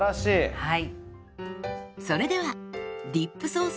はい。